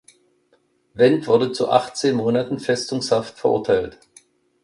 Wendt wurde zu achtzehn Monaten Festungshaft verurteilt.